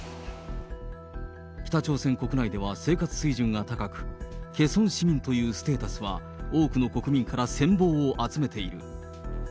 北朝鮮国内では生活水準が高く、ケソン市民というステータスは、多くの国民から羨望を集めている。